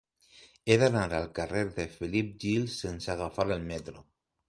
He d'anar al carrer de Felip Gil sense agafar el metro.